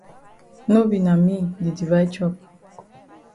No be na me di divide chop.